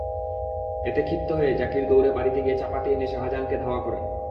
এতে ক্ষিপ্ত হয়ে জাকির দৌড়ে বাড়িতে গিয়ে চাপাতি এনে শাহজাহানকে ধাওয়া করেন।